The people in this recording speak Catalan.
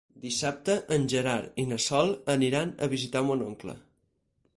Dissabte en Gerard i na Sol aniran a visitar mon oncle.